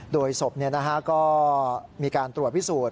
โดยศพก็มีการตรวจพิสูจน